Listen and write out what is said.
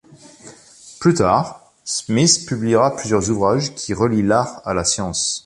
Plus tard, Smith publiera plusieurs ouvrages qui relient l'art à la science.